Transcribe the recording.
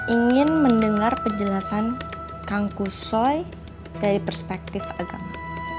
ingin mendengar penjelasan kang kusoi dari perspektif agama